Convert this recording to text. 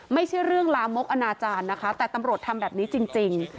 ไม่ใช่เรื่องลามกอนาจารย์นะคะแต่ตำรวจทำแบบนี้จริง